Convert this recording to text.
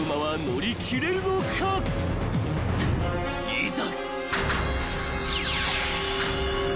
［いざ］